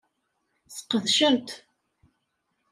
Sqedcen-t.